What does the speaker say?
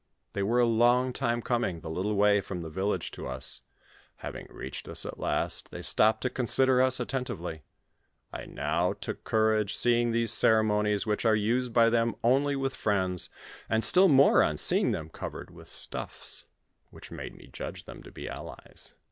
They were a long time coming the little way from the village to us. Having reached us at last, they stopped to consider us attentively. I now took courage, see ing these ceremonies, which are used by them only with friends, and still more on seeing them covered with stuffs, which made me judge them to be allies.